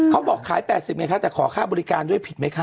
เขาบอกขาย๘๐ไงคะแต่ขอค่าบริการด้วยผิดไหมคะ